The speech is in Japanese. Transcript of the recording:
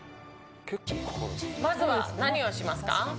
まずは何をしますか？